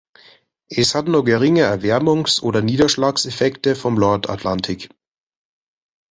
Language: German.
Es hat nur geringe Erwärmungs- oder Niederschlagseffekte vom Nordatlantik.